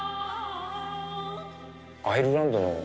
アイルランドの女性の。